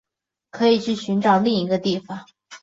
可以去寻找另一个地方